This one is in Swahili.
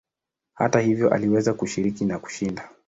Hata hivyo aliweza kushiriki na kushinda.